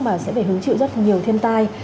mà sẽ phải hứng chịu rất nhiều thiên tai